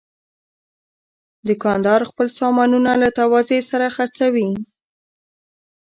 دوکاندار خپل سامانونه له تواضع سره خرڅوي.